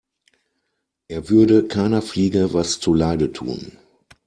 Er würde keiner Fliege was zu Leide tun.